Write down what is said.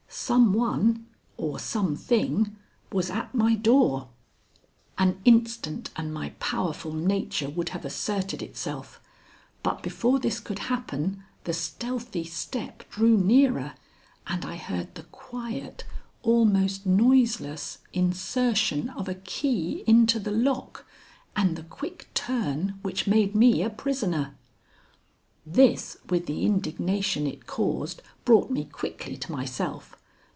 Some one or something was at my door. An instant and my powerful nature would have asserted itself, but before this could happen the stealthy step drew nearer, and I heard the quiet, almost noiseless, insertion of a key into the lock, and the quick turn which made me a prisoner. This, with the indignation it caused, brought me quickly to myself.